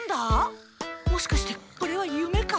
もしかしてこれはゆめか？